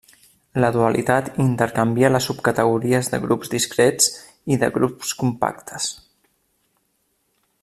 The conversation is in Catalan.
La dualitat intercanvia les subcategories de grups discrets i de grups compactes.